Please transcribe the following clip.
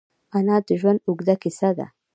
انا د ژوند اوږده کیسه ده